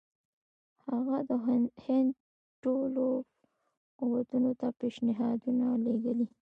هغه د هند ټولو قوتونو ته پېشنهادونه لېږلي.